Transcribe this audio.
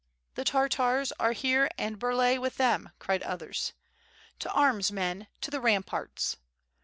"The Tartrs are here and Burlay with them," cried others. "To arms, men! To the ramparts!"